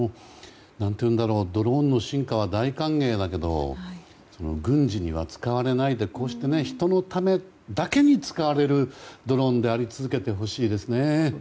ドローンの進化は大歓迎だけど軍事には使われないでこうして人のためだけに使われるドローンであり続けてほしいですね。